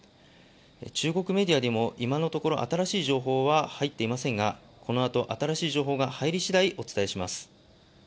中国メディアでも今のところ、新しい情報は入っていませんがこのあと、新しい情報が入りしだい、お伝えします。